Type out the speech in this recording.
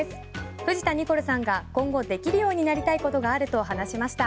藤田ニコルさんが今後できるようになりたいことがあると話しました。